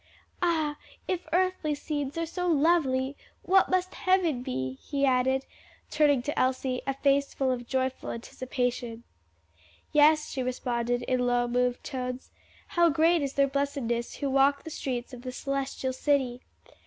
"Ah, if earthly scenes are so lovely, what must heaven be!" he added, turning to Elsie a face full of joyful anticipation. "Yes," she responded in low, moved tones, "how great is their blessedness who walk the streets of the Celestial City!